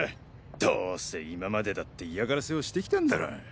どうせ今までだって嫌がらせをしてきたんだろう？